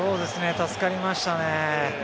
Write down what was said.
助かりましたね。